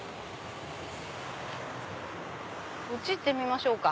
こっち行ってみましょうか。